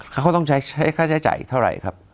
เขาต้องใช้ค่าใช้จ่ายเท่าไหร่ครับ